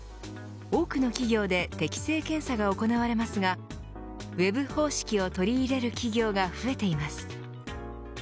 多くの企業で適性検査が行われますがＷＥＢ方式を取り入れる企業が増えています。